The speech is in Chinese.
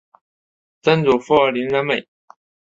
曾祖父林仁美。